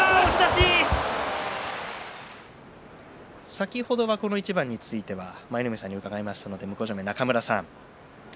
先ほどはこの一番については舞の海さんに伺いましたので向正面の中村さん